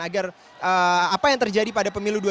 agar apa yang terjadi akan diberikan kepadanya